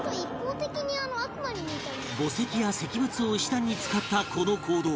墓石や石仏を石段に使ったこの行動